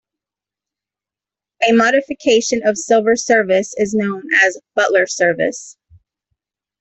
A modification of silver service is known as butler service.